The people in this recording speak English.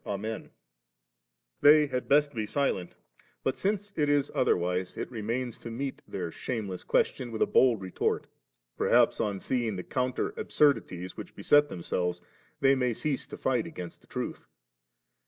Amen*/ 2$. They had best have been silent; but rfnce it is otherwise, it remains to meet their shame less question with a bold retort '• Perhaps on seeing the counter absurdities which beset themselves, they may cease to fight against the truth.